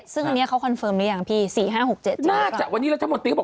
ซึ่งอันนี้เขาคอนเฟิร์มรึยังพี่๔๕๖๗ใช่ไหมครับ